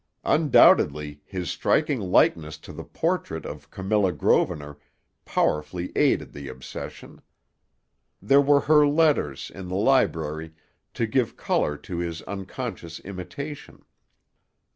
Undoubtedly his striking likeness to the portrait of Camilla Grosvenor powerfully aided the obsession. There were her letters, in the library, to give color to his unconscious imitation.